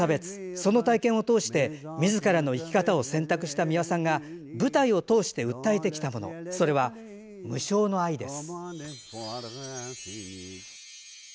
その体験を通してみずからの生き方を選択した美輪さんが舞台を通して訴えてきたものそれは、無償の愛です。